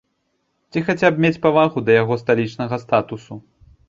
Ці хаця б мець павагу да яго сталічнага статусу.